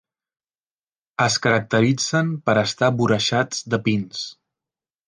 Es caracteritzen per estar vorejats de pins.